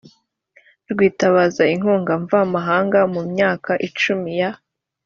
rwitabaza inkunga mvamahanga mu myaka cumi ya